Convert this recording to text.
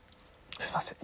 すいません。